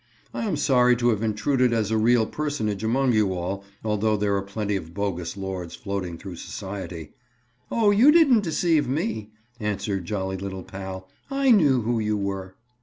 "I am sorry to have intruded as a real personage among you all, although there are plenty of bogus lords floating through society." "Oh, you didn't deceive me," answered jolly little pal. "I knew who you were."